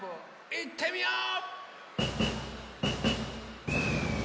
いってみよう！